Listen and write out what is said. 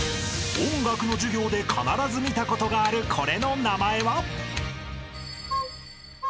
［音楽の授業で必ず見たことがあるこれの名前は？］